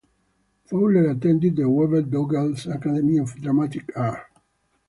Fowler attended the Webber Douglas Academy of Dramatic Art.